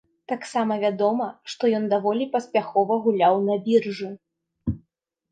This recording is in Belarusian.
Таксама вядома, што ён даволі паспяхова гуляў на біржы.